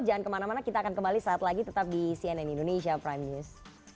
jangan kemana mana kita akan kembali saat lagi tetap di cnn indonesia prime news